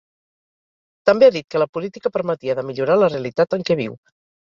També ha dit que la política permetia de millorar la realitat en què viu.